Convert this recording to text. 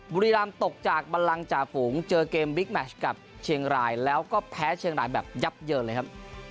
บุรีรำตกจากบันลังจ่าฝูงเจอเกมบิ๊กแมชกับเชียงรายแล้วก็แพ้เชียงรายแบบยับเยินเลยครับ